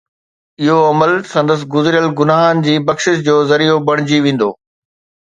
اهو عمل سندس گذريل گناهن جي بخشش جو ذريعو بڻجي ويندو